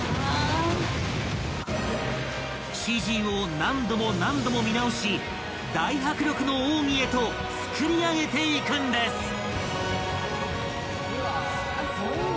［ＣＧを何度も何度も見直し大迫力の奥義へと作り上げていくんです］